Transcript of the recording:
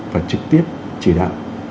và trực tiếp chỉ đạo